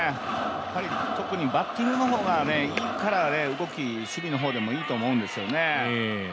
特にバッティングの方がいいから動き守備の方でもいいと思うんですよね。